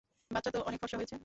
বাচ্চা তো অনেক ফর্সা হয়েছে।